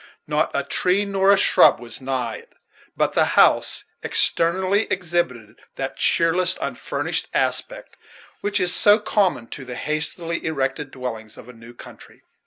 Not a tree nor a shrub was nigh it; but the house, externally, exhibited that cheer less, unfurnished aspect which is so common to the hastily erected dwellings of a new country.